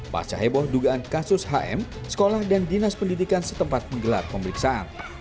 pasca heboh dugaan kasus hm sekolah dan dinas pendidikan setempat menggelar pemeriksaan